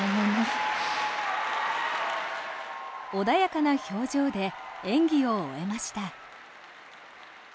穏やかな表情で演技を終えました。